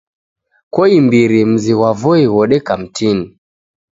Koimbiri mzi ghwa Voi ghodeka mtini.